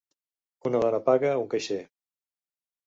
Una dona paga un caixer.